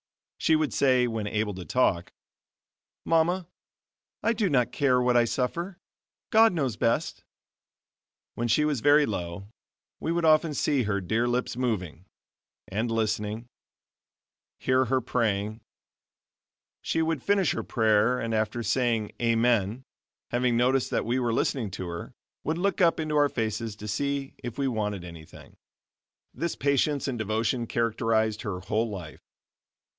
She would say, when able to talk: "Mama, I do not care what I suffer, God knows best." When she was very low, we would often see her dear lips moving, and listening, hear her praying. She would finish her prayer and after saying "Amen" having noticed that we were listening to her, would look up into our faces to see if we wanted anything. This patience and devotion characterized her whole life.